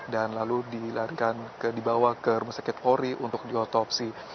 dan lalu dibawa ke rumah sakit pori untuk diotopsi